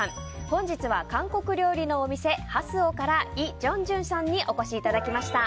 本日は韓国料理のお店ハスオからイ・ジョンジュンさんにお越しいただきました。